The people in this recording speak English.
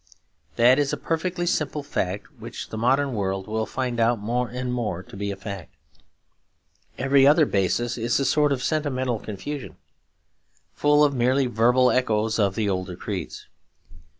That is a perfectly simple fact which the modern world will find out more and more to be a fact. Every other basis is a sort of sentimental confusion, full of merely verbal echoes of the older creeds.